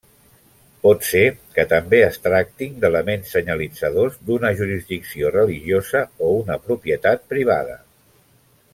Pot ser que també es tractin d’elements senyalitzadors d’una jurisdicció religiosa o una propietat privada.